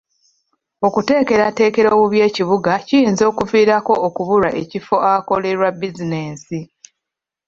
Okuteekerateekera obubi ekibuga kiyinza okuviirako okubulwa ebifo awakolelwa bizinensi.